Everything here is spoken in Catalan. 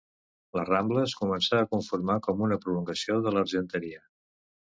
La Rambla es començà a conformar com una prolongació de l'Argenteria.